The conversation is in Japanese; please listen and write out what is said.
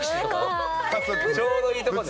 ちょうどいいとこで。